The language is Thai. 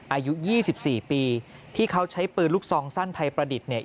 อายุ๒๔ปีที่เขาใช้ปืนลูกซองสั้นไทยประดิษฐ์เนี่ย